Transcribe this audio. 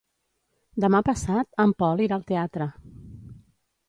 Demà passat en Pol irà al teatre.